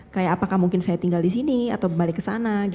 kayak apakah mungkin saya tinggal di sini atau kembali ke sana